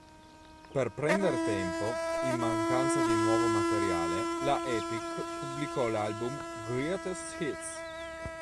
Per prendere tempo, in mancanza di nuovo materiale, la Epic pubblicò l'album "Greatest Hits".